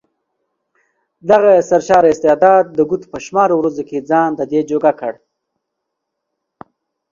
دغه سرشاره استعداد د ګوتو په شمار ورځو کې ځان ددې جوګه کړ.